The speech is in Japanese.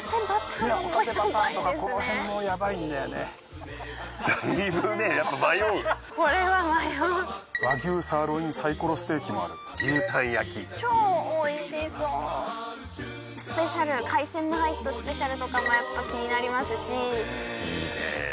この辺もヤバイんだよねこれは迷う和牛サーロインサイコロステーキもある牛タン焼超おいしそうスペシャル海鮮の入ったスペシャルとかもやっぱ気になりますしいいね